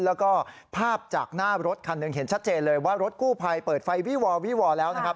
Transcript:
แล้วก็ภาพจากหน้ารถคันหนึ่งเห็นชัดเจนเลยว่ารถกู้ภัยเปิดไฟวี่วอวี่วอแล้วนะครับ